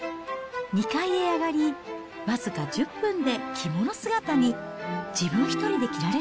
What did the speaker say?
２階へ上がり、僅か１０分で着物姿に。